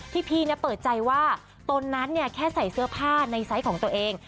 พี่เปิดใจว่าตนนั้นแค่ใส่เสื้อผ้าในไซส์ของตัวเอง